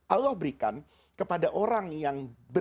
allah berikan kepada orang yang